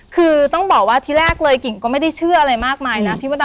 คือต้องบอกว่าที่แรกเลยกิ่งก็ไม่ได้เชื่ออะไรมากมายนะพี่มดดำ